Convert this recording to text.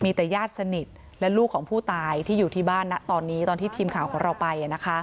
มีแต่ญาติสนิทและลูกของผู้ตายที่อยู่ที่บ้านนะตอนนี้ตอนที่ทีมข่าวของเราไป